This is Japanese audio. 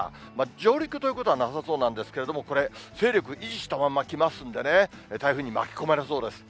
上陸ということはなさそうなんですけれども、これ、勢力を維持したまま来ますんでね、台風に巻き込まれそうです。